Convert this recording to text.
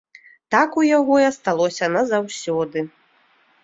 Так у яго і асталося назаўсёды.